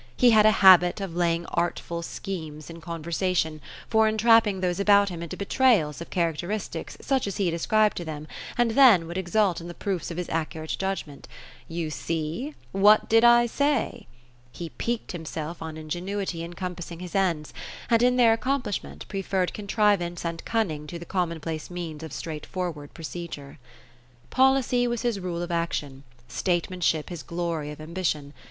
He had a habit of laying artful schemes in conversation, for entrapping those about him into betrayals of charac teristics such as he had ascribed to them — and then would exult in the proofs of his accurate judgment '' You see ! What did I say ?" He piqued himself on ingenuity in compassing his ends; and, in their ac complishment, preferred contrivance and cunning to the commonplace means of straightforward procedure. Policy was his rule of action ; statesmanship his glory of ambition.